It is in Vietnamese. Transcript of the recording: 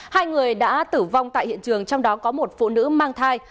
hai người đã tử vong tại hiện trường trong đó có một phụ nữ mang thai